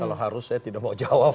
kalau harus saya tidak mau jawab